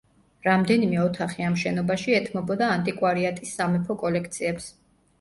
რამდენიმე ოთახი ამ შენობაში ეთმობოდა ანტიკვარიატის სამეფო კოლექციებს.